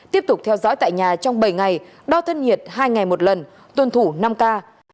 tiếp tục theo dõi tại nhà trong bảy ngày đo thân nhiệt hai ngày một lần tuân thủ năm k